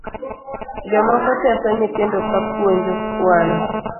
Jomoko teso nyithindo kapuonjo kwano